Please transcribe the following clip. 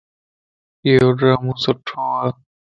ايوڊرامو سڻھوَ